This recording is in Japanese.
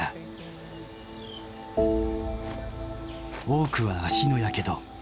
多くは足のやけど。